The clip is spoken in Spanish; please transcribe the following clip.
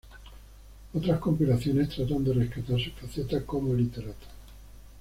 Otras compilaciones tratan de rescatar su faceta como literato.